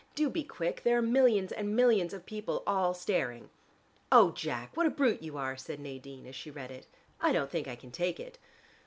Do be quick: there are millions and millions of people all staring." "Oh, Jack, what a brute you are," said Nadine, as she read it, "I don't think I can take it."